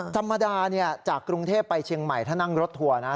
ธรรมดาจากกรุงเทพไปเชียงใหม่ถ้านั่งรถทัวร์นะ